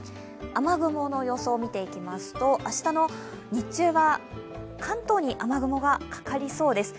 雨雲の予想を見ていきますと、明日の日中は関東に雨雲がかかりそうです。